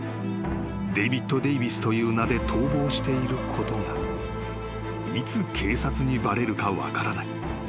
［デイビッド・デイヴィスという名で逃亡していることがいつ警察にバレるか分からない］